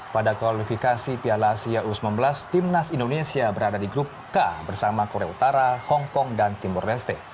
pada kualifikasi piala asia u sembilan belas timnas indonesia berada di grup k bersama korea utara hongkong dan timur leste